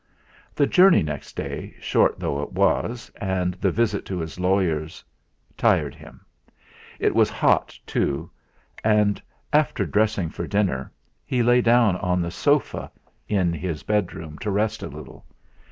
The journey next day, short though it was, and the visit to his lawyer's, tired him. It was hot too, and after dressing for dinner he lay down on the sofa in his bedroom to rest a little.